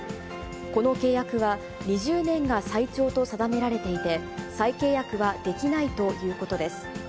この契約は、２０年が最長と定められていて、再契約はできないということです。